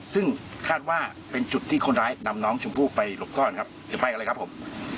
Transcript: ซึ่งคาดว่าเป็นจุดที่คนร้ายนำน้องชมพู่ไปหลบซ่อนครับเดี๋ยวไปกันเลยครับผม